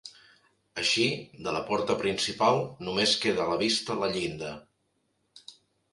Així, de la porta principal només queda a la vista la llinda.